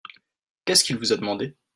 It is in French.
Qu'est-ce qu'il vous a demandé ?